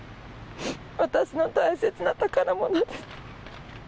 私の大切な宝物です。